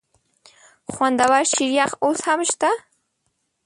خوندور شریخ اوس هم شته؟